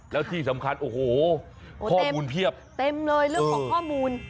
แล้วที่สำคัญโอ้โหข้อมูลเพียบเต็มเลยเรื่องของข้อมูล